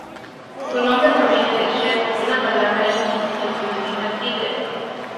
Su nombre proviene de "sher", una palabra hindi que significa tigre.